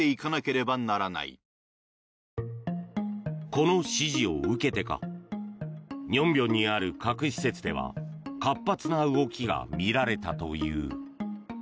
この指示を受けてか寧辺にある核施設では活発な動きが見られたという。